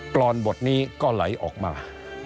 รอนบทนี้ก็ไหลออกมา